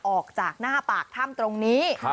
ออกจากหน้าปากถ้ำตรงนี้